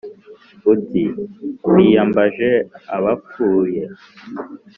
uti:”twiyambaje abapfuye,